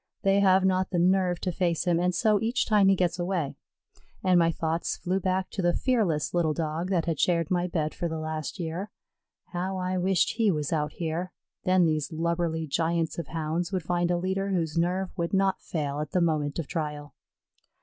They have not the nerve to face him, and so, each time he gets away, and my thoughts flew back to the fearless little Dog that had shared my bed for the last year. How I wished he was out here, then these lubberly giants of Hounds would find a leader whose nerve would not fail at the moment of trial.